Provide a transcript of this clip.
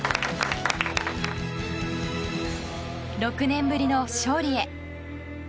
６年ぶりの勝利へ。